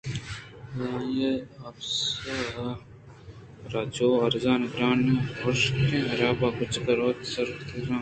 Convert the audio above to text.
پدا آئی ءَ اپس ءَ را جوءُ ارزَن کائیگرءَ را ہُشکیں کڑب ءُ کُچکّ ءَ راوتی سراتکگیں شام دات